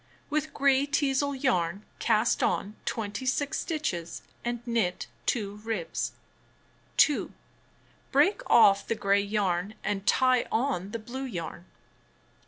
1. With gray teazle yarn cast on 26 stitches, and knit 2 ribs. 2. Break off the gray yam and tie on the blue yam .